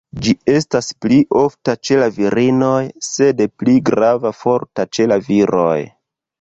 Ĝi estas pli ofta ĉe la virinoj, sed pli grava, forta ĉe la viroj.